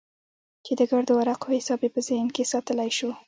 چې د ګردو ورقو حساب يې په ذهن کښې ساتلى سو.